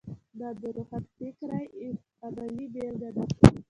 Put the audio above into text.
دا د روښانفکرۍ عملي بېلګه ده.